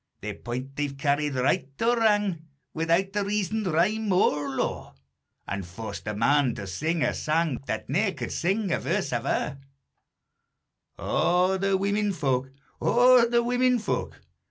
Their point they've carried right or wrang, Without a reason, rhyme, or law, An' forced a man to sing a sang, That ne'er could sing a verse ava. _O the women fo'k! O the women fo'k!